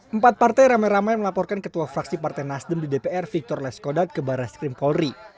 empat partai rame rame melaporkan ketua fraksi partai nasdem di dpr victor leskodat ke barat skrimpolri